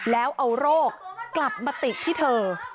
แล้วเอาโรคกลับมาติดที่เธอ